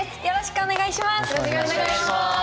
よろしくお願いします。